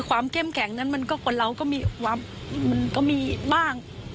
ความเข้มแข็งนั้นคนเราก็มีบ้าง